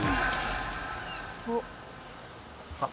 おっ！